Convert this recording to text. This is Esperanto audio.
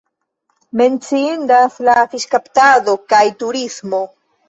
Menciindas la fiŝkaptado kaj turismo.